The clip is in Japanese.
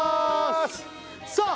さあ